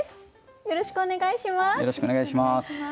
よろしくお願いします。